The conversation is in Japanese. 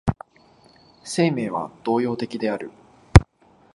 生命は動揺的である。